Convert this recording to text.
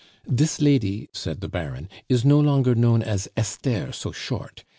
"Dis lady," said the Baron, "is no longer known as 'Esther' so short!